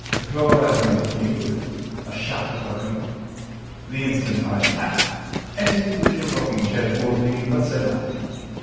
Flora admitted me with a shout of welcome, the instant I tapped. Etty pushed a rocking chair toward me, but said nothing.